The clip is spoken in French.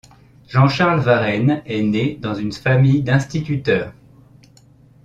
Jean-Charles Varennes est né dans une famille d'instituteurs.